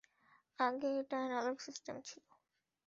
আগে এটা analogue system ছিল।